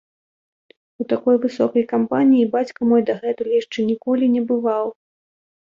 У такой высокай кампаніі бацька мой дагэтуль яшчэ ніколі не бываў.